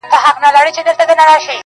صحرايي ویل موچي درته وهمه!.